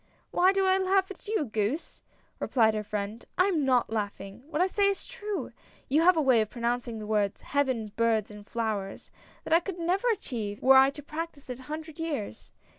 " Why do I laugh at you, goose !" replied her friend. " I am not laughing. What I say is true. You have a way of pronouncing the words 'Heaven, birds, and flowers ' that I could never achieve were I to practice it a hundred years.